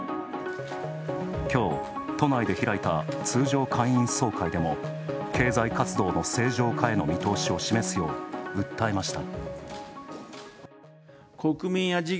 きょう、都内で開いた通常会員総会でも経済活動の正常化への見通しを示すよう訴えました。